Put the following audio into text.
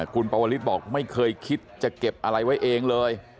คุณปวลิศบอกไม่เคยคิดจะเก็บอะไรไว้เองเลย